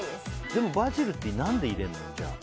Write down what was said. でもバジルって何で入れるの？